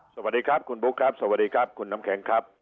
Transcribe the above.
สวัสดีครับคุณบุ๊คครับสวัสดีครับคุณน้ำแข็งครับ